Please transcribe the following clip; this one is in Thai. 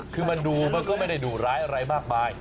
คือมันดูมันก็ไม่ได้ดุร้ายอะไรมากมาย